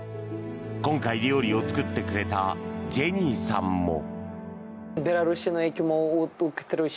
今回、料理を作ってくれたジェニーさんも。